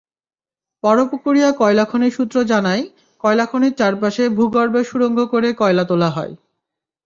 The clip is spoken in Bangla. বড়পুকুরিয়া কয়লাখনি সূত্র জানায়, কয়লাখনির চারপাশে ভূগর্ভে সুড়ঙ্গ করে কয়লা তোলা হয়।